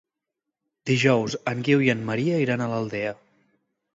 Dijous en Guiu i en Maria iran a l'Aldea.